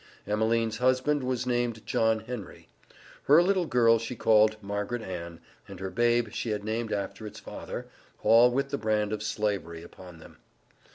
Emeline's husband was named John Henry; her little girl she called Margaret Ann, and her babe she had named after its father, all with the brand of Slavery upon them.